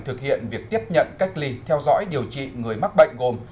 thực hiện việc tiếp nhận cách ly theo dõi điều trị người mắc bệnh gồm